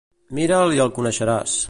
Mira'l i el coneixeràs.